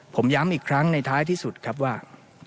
ผมย้ำอีกครั้งในท้ายที่สุดครับว่า